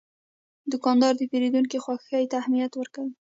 دوکاندار د پیرودونکي خوښي ته اهمیت ورکوي.